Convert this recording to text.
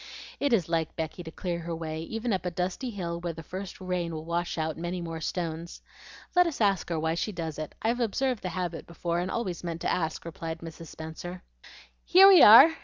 It is like Becky to clear her way, even up a dusty hill where the first rain will wash out many more stones. Let us ask her why she does it. I've observed the habit before, and always meant to ask," replied Mrs. Spenser. "Here we are!